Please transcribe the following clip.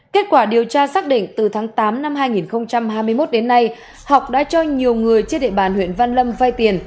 kết quả điều tra xác định từ tháng tám năm hai nghìn hai mươi một đến nay học đã cho nhiều người trên địa bàn huyện văn lâm vay tiền